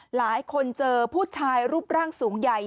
หลายคนเจอผู้ชายรูปร่างสูงใหญ่